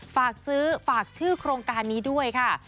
ฝากซื้อฝากชื่อโครงการนี้ด้วยค่ะ